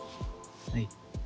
はい。